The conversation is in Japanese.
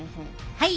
はい。